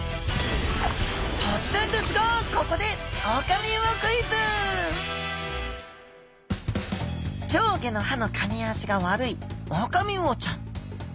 突然ですがここで上下の歯のかみ合わせが悪いオオカミウオちゃん。